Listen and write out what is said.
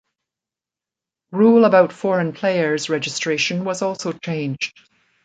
Rule about foreign players registration was also changed.